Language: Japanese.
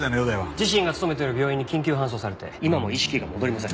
自身が勤めている病院に緊急搬送されて今も意識が戻りません。